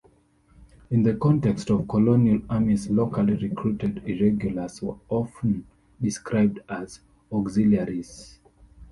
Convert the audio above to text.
In the context of colonial armies locally recruited irregulars were often described as auxiliaries.